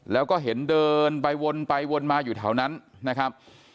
แล้วก็เห็นเดินไปวนไปวนมาอยู่แถวนั้นนะครับ